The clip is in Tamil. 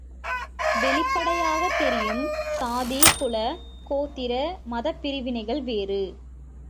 வெளிப்படையாகத் தெரியும் சாதி, குல, கோத்திர மதப்பிரிவினைகள் வேறு.